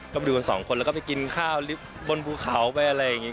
ก็ไปดูกันสองคนแล้วก็ไปกินข้าวลิฟต์บนภูเขาไปอะไรอย่างนี้